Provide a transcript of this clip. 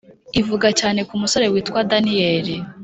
ivuga cyane kumusore witwa daniel,